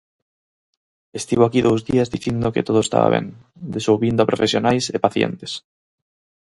"Estivo aquí dous días dicindo que todo estaba ben, desouvindo a profesionais e pacientes".